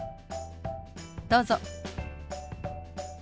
どうぞ。